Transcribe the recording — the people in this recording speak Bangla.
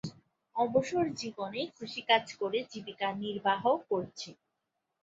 অবসর জীবনে কৃষিকাজ করে জীবিকা নির্বাহ করছে।